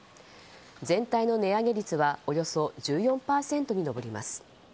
全体の値上げ率はおよそ１４％に上ります。